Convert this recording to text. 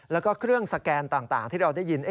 แล้วก็เครื่องสแกนต่างที่เราได้ยิน